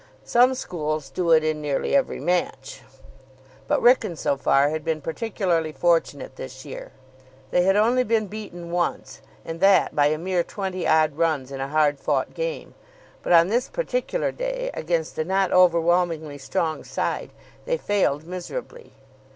Some schools do it in nearly every match, but Wrykyn so far had been particularly fortunate this year. They had only been beaten once, and that by a mere twenty odd runs in a hard fought game. But on this particular day, against a not overwhelmingly strong side, they failed miserably.